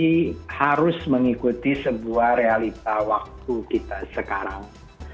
jadi harus mengikuti sebuah realita waktu kita sekarang